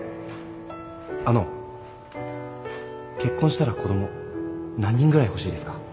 あの結婚したら子ども何人ぐらい欲しいですか？